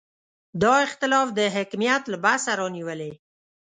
دا اختلاف د حکمیت له بحثه رانیولې.